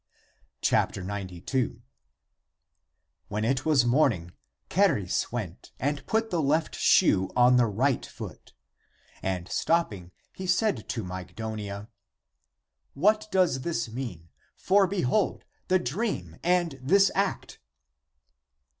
92. When it was morning, Charis went and put the left shoe on the right foot. And stopping he said to Mygdonia, "What does this mean? For behold, the dream and this act